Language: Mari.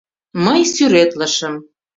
Мый сӱретлышым.